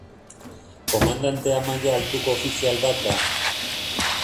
Komandantea maila altuko ofizial bat da.